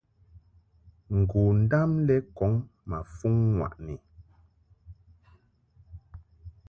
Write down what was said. Ngondam lɛ kɔŋ ma fuŋ ŋwaʼni.